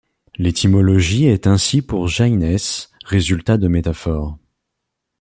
L'étymologie est ainsi pour Jaynes résultat de métaphores.